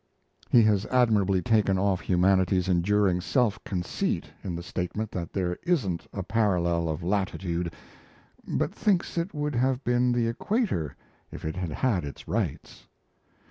He has admirably taken off humanity's enduring self conceit in the statement that there isn't a Parallel of Latitude but thinks it would have been the Equator if it had had its rights.